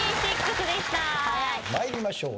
参りましょう。